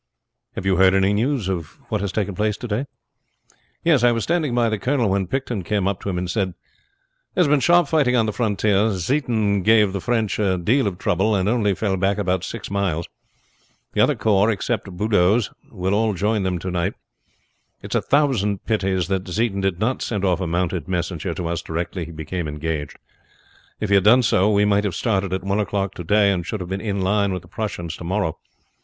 "Have you heard any news of what has taken place to day?" "Yes. I was standing by the colonel when Picton came up to him and said: "'There's been sharp fighting on the frontier. Zieten gave the French a deal of trouble, and only fell back about six miles. The other corps, except Bulow's, will all join them to night. "'It is a thousand pities that Zieten did not send off a mounted messenger to us directly he became engaged. If he had done so we might have started at one o'clock to day, and should have been in line with the Prussians to morrow.